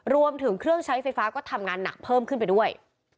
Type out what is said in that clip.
รวมถึงเครื่องใช้ไฟฟ้าก็ทำงานหนักเพิ่มขึ้นไปด้วย